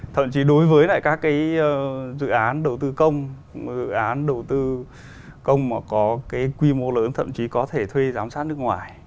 thậm chí đối với lại các cái dự án đầu tư công dự án đầu tư công mà có cái quy mô lớn thậm chí có thể thuê giám sát nước ngoài